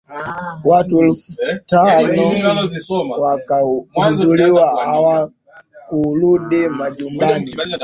watu elfu tano wakahudhuria hawakurudi majumbani